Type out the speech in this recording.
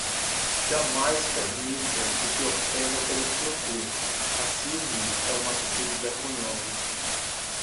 Jamais permita que te ofendam pela sua cor, racismo é uma atitude vergonhosa